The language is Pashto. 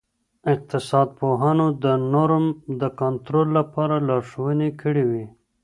اقتصاد پوهانو د نورم د کنټرول لپاره لارښووني کړي وې.